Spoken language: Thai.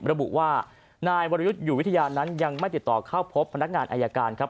ระบุว่านายวรยุทธ์อยู่วิทยานั้นยังไม่ติดต่อเข้าพบพนักงานอายการครับ